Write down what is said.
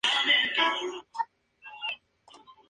El pueblo corresponde así al tipo de Bastide.